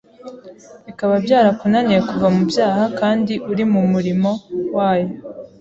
bikaba byarakunaniye kuva mu byaha kandi uri mu murimo wayo,